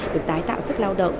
được tái tạo sức lao động